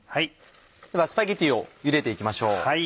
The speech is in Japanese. ではスパゲティをゆでて行きましょう。